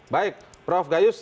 baik prof gayus